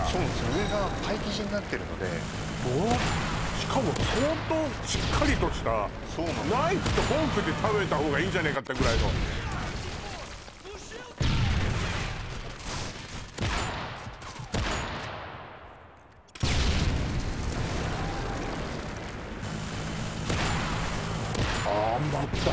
上がパイ生地になってるのでどうやってしかも相当しっかりとしたナイフとフォークで食べた方がいいんじゃねえかってぐらいのああまた